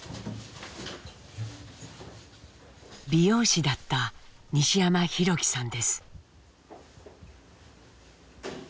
美容師だった西山弘樹さんです。